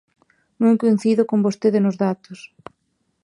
Non coincido con vostede nos datos.